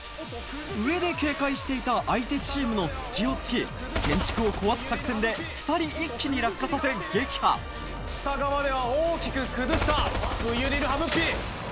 上で警戒していた相手チームの隙を突き建築を壊す作戦で２人一気に落下させ撃破下側では大きく崩したぶゅりる・はむっぴ。